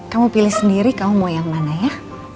kamu pilih sendiri kamu mau yang mana ya